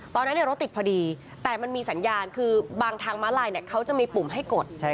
ตอนนั้นรถติดพอดีแต่มันมีสัญญาณคือบางทางมาลายเขาจะมีปุ่มให้กด